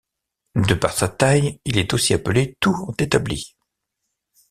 De par sa taille, il est aussi appelé tour d’établi.